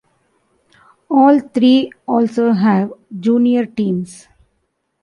All three also have junior teams.